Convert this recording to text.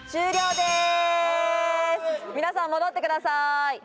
でーす皆さん戻ってください